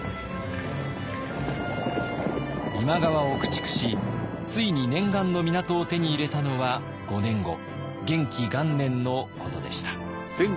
今川を駆逐しついに念願の港を手に入れたのは５年後元亀元年のことでした。